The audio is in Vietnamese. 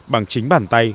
bằng chính bàn tay